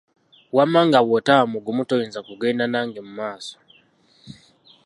Wamma nga bw'otaba mugumu, toyinza kugenda nange mu maaso.